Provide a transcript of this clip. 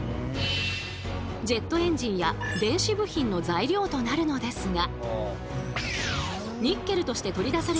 ジェットエンジンや電子部品の材料となるのですが。